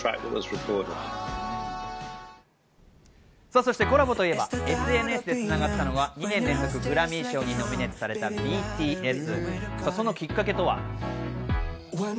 そしてコラボといえば、ＳＮＳでつながった、２年連続グラミー賞にノミネートされたＢＴＳ。